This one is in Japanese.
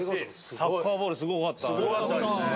サッカーボール、すごかったすごかったですね。